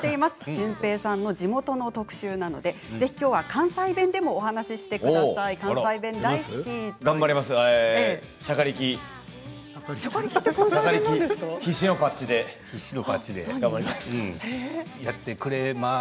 淳平さんの地元の特集なのでぜひきょうは関西弁でもお話ししてくださいということです。